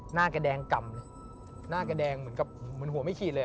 หน้ากระแดงกำเลยหน้ากระแดงเหมือนหัวไม่ขีดเลย